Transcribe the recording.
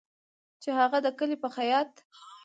چې هغه د کلي په خیاط